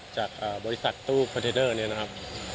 จากบริษัทตู้คอนเทนเนอร์เนี่ยนะครับ